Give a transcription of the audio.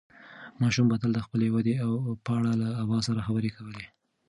ماشوم به تل د خپلې ودې په اړه له ابا سره خبرې کولې.